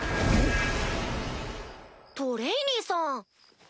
トレイニーさん！